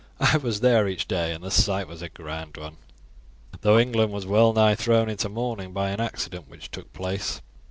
I was there each day and the sight was a grand one, though England was well nigh thrown into mourning by an accident which took place.